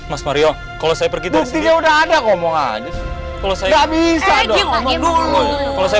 mas mario kalau saya pergi dari sini udah ada ngomong aja kalau saya bisa dong aman dulu kalau saya